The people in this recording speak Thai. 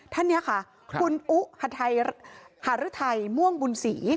ท่านนี้ค่ะคุณอุทัยม่วงบุญศรี